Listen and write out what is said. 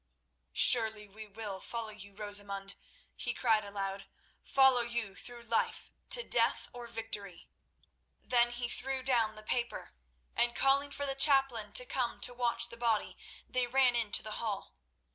_" "Surely we will follow you, Rosamund," he cried aloud. "Follow you through life to death or victory." Then he threw down the paper, and calling for the chaplain to come to watch the body, they ran into the hall.